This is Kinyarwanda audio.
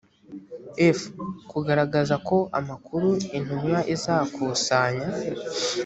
f kugaragaza ko amakuru intumwa izakusanya